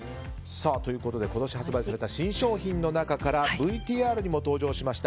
今年発売された新商品の中からＶＴＲにも登場しました